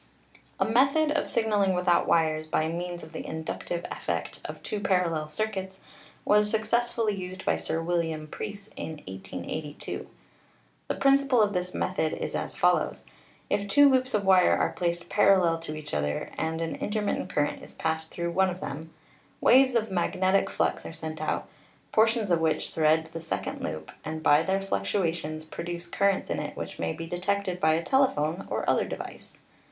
A method of signaling without wires by means of the inductive effect of two parallel circuits was successfully used by Sir William Preece in 1882. The principle of this method is as follows : If two loops of wire are placed parallel to each other and an intermittent current is passed through one of them, waves of magnetic flux are sent out, portions of which thread the second loop and by their fluctuations produce currents in it which may be detected by a telephone or other device.